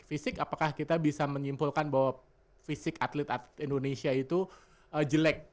fisik apakah kita bisa menyimpulkan bahwa fisik atlet atlet indonesia itu jelek